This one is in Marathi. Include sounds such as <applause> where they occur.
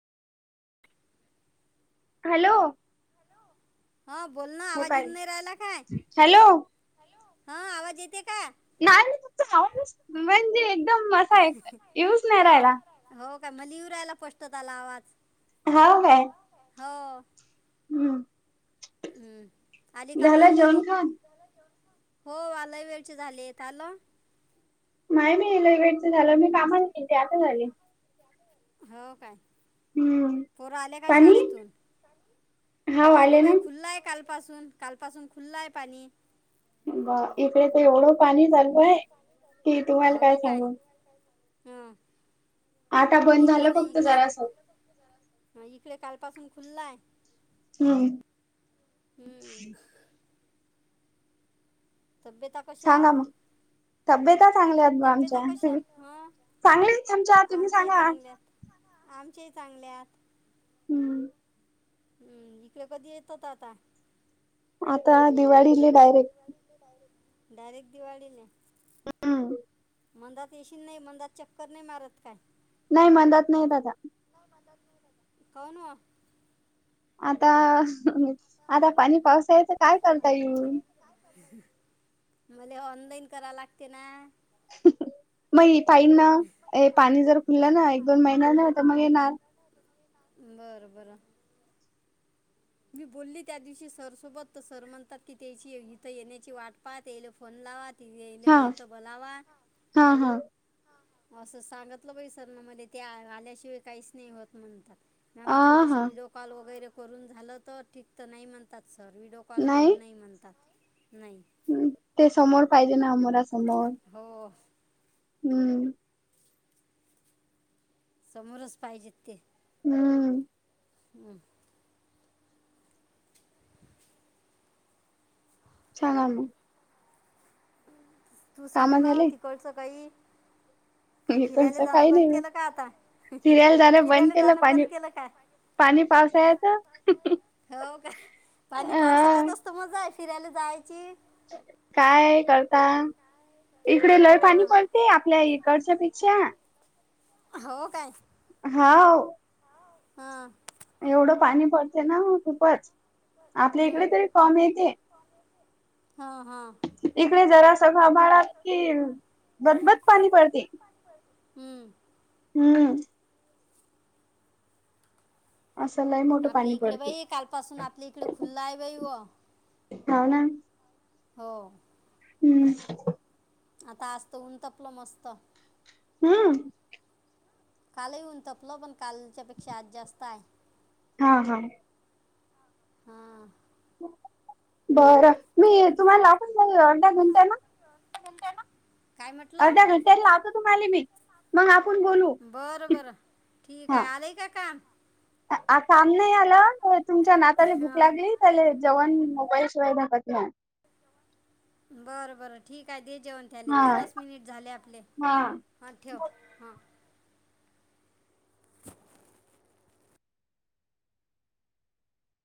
हॅलो हा बोल ना हे आवाज पाय येऊनं नाही राहिला काय हॅलो हा आवाज येते का नाही ना फक्त म्हणजे एकदम असा आहे येऊच नाही हो राहिला हो काय मला येऊ राहिला स्पष्ट त्याला आवाज हा काय हो हम्म हम्म. आली झाला कामावून जेवन घरी खान हो आलाही वेळचे झाली येत नाही नाही लई वेळच झालं मी कामाला के ते आताचं आली हो काय पोरं आले का पाणी शाळेतून हाव पाणी आले ना बाई खुल्ला आहे काल पासून काल पासून खुलं आहे पाणी ब इकडे तर एवढं पाणी चालू आहे कि तुम्हाला काय सांगू हम आता बंद झाला फक्त जरासं पासून खुल्लाय हम्म हम्म तब्यता कशात तब्यता चांगल्या म आमच्या तुम् आहेत? हं चांगली आमच्या तुम्ही सांगा आमचेही चांगल्या हात हम्म हम्म इकडे कधी येत होता आता आता दिवाळीला डायरेक्ट डायरेक्ट दिवाळी ला हा <inaudible> मंदात येशी नाही मंदात चक्कर नाही मारत काय नाही म्हणदात नाही आता कौन ओ आता आता पाणी पावसाळ्याच काय करलता येऊ मले ऑनलाईन करावं लागते ना मग पाईन ना पाणी जर खुललं ना एक दोन महिन्या ना तर मग येणार बरं बरं मी बोलली त्या दिवशी सर सोबत तर सर म्हणतात की त्याची इथं येण्याची वाट पाह त्याला फोन लावा ले हा होय त बोलावा. हा हा असं सांगतलं बाई सरना मले ते आल्याशिवाय काहीच नाही होत म्हणतात. म्या अ म्हटलं तस हा व्हिडिओ कॉल वगैरे करून झालं तर ठीक तर नाही म्हणतात. सर व्हिडिओ कॉल करून नाही म्हणतात. नाही हम, ते समोर पाहिजे ना आमोरा समोर. हो हम्म. समोरच पाहिजेत ते. हम्म. हम्म. <unintelligible> तू काम सांग ना झाले तिकडच काही ते फिरायला इकडचं जाणं काही बंद नाही बा. केलं का आता, सिरियल जाणं बंद फिरायला केलं जाणं पाणी बंद केलं का? पाणी पावसाळ्यात हो काय, पाणी पावसाळ्यात अ असतो मजा आहे फिरायला जायची. काय करता, इकडे लय पाणी हं. पडते आपल्या इकडच्या पेक्षा. हो काय? हाव. हा. एवढं पाणी पडतय ना खूपच, आपल्या इकडे हं. तरी कम येते. हां हां इकडे जरा सगळं भाडात कि, बदबद पाणी पडते. हम्म. हम्. असं लय मोठं आपल्या पाणी इकडे पडते बाई कालपसून आपल्या इकडे खुल आहे बाई व. हाव ना. हो. हम्म. आता आजत ऊन तापलं मस्त. हम. काल ही ऊन तपलं पण कालच्या पेक्षा आज जास्त हाय. हा हा. हा. बरं मी तुम्हाला लाखून जाऊ अर्ध्या घंट्या न. <unintelligible> अर्ध्या घंट्या लावतो तुम्हाला मी. मग आपण बोलू बर, बरं, ठीक हा आहे आलय का काम? आ काम नाही आल, तुमच्या नाताली भूक हां लागली त्याला जेवण मोबाईशिवायधकत नाही. बर, बरं ठीक आहे दे. जेवन झाले हा तीनच मिनिट झाले आपले, हा ह ठेव ह.